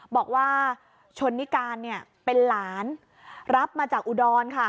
บอกว่าชนนิการเป็นหลานรับมาจากอุดรค่ะ